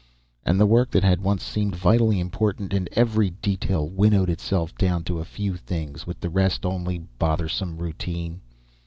And the work that had once seemed vitally important in every detail winnowed itself down to a few things, with the rest only bothersome routine.